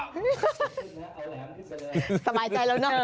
สบายใจแล้วเนอะ